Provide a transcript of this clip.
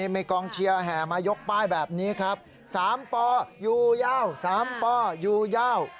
มีกองเชียร์แหมายกป้ายแบบนี้ครับสามป่อยูเย่าสามป่อยูเย่า